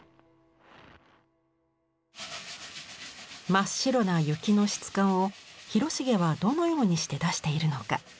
真っ白な雪の質感を広重はどのようにして出しているのか。